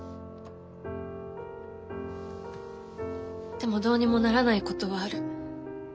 でもどうにもならないことはある。